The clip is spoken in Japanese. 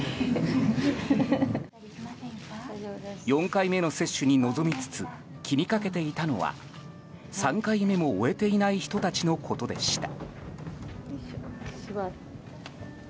４回目の接種に臨みつつ気にかけていたのは３回目も終えていない人たちのことでした。